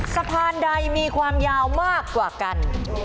สะพานใดมีความยาวมากกว่ากัน